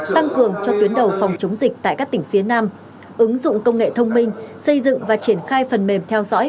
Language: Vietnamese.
tăng cường cho tuyến đầu phòng chống dịch tại các tỉnh phía nam ứng dụng công nghệ thông minh xây dựng và triển khai phần mềm theo dõi